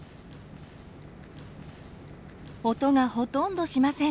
音がほとんどしません。